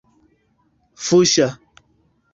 fuŝa